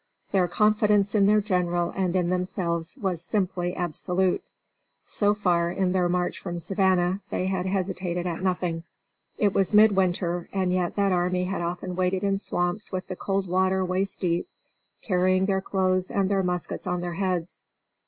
Their confidence in their general and in themselves was simply absolute. So far, in their march from Savannah they had hesitated at nothing. It was midwinter, and yet that army had often waded in swamps with the cold water waist deep, carrying their clothes and their muskets on their heads.